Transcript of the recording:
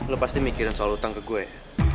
lu pasti mikirin soal utang ke gue ya